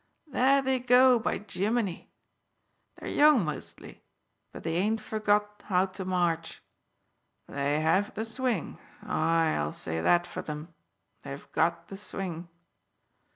There they go, by Jimini! They're young mostly, but they hain't forgot how to march. They have the swing aye, I'll say that for them. They've got the swing."